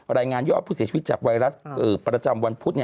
รายงานยอดผู้เสียชีวิตจากไวรัสประจำวันพุธ